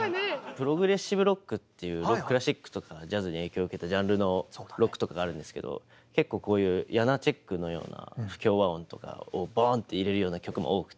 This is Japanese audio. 「プログレッシブロック」っていうクラシックとかジャズに影響を受けたジャンルのロックとかがあるんですけど結構こういうヤナーチェクのような不協和音とかをボンって入れるような曲も多くて。